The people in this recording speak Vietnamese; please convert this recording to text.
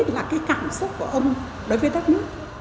là cái cảm xúc của ông đối với đất nước